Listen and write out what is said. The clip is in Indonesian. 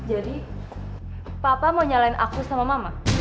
jadi papa mau nyalahin aku sama mama